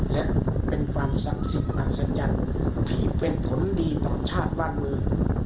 และเป็นฟันศักดิ์สิทธิ์มันสัญญาที่เป็นผลดีต่อชาติบ้านมือ